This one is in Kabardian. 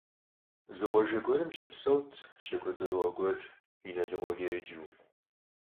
Зы къуажэ гуэрым щыпсэурт щакӀуэ цӀэрыӀуэ гуэр ИналыкъуэкӀэ еджэу.